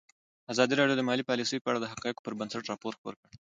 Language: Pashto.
ازادي راډیو د مالي پالیسي په اړه د حقایقو پر بنسټ راپور خپور کړی.